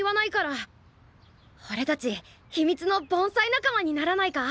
おれたち秘密の盆栽仲間にならないか？